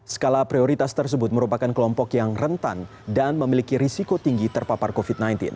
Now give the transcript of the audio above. skala prioritas tersebut merupakan kelompok yang rentan dan memiliki risiko tinggi terpapar covid sembilan belas